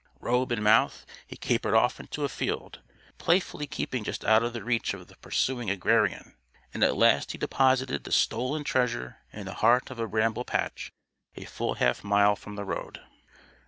Robe in mouth, he capered off into a field; playfully keeping just out of the reach of the pursuing agrarian; and at last he deposited the stolen treasure in the heart of a bramble patch a full half mile from the road.